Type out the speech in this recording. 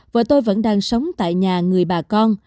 vợ tôi vẫn đang sống tại nhà người bà con